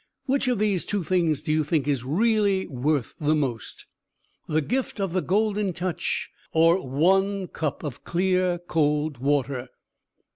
Which of these two things do you think is really worth the most the gift of the Golden Touch, or one cup of clear cold water?"